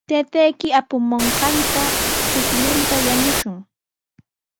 Taytayki apamunqan chuqlluta yanushun.